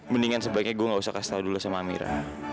mendingan sebaiknya gue gak usah kasih tahu dulu sama amira